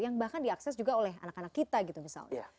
yang bahkan diakses juga oleh anak anak kita gitu misalnya